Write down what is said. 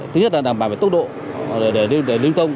thứ nhất là đảm bảo về tốc độ để linh tông